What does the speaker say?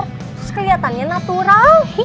terus keliatannya natural